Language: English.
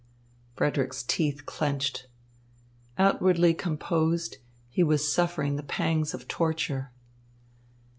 Frederick's teeth clenched. Outwardly composed, he was suffering the pangs of torture.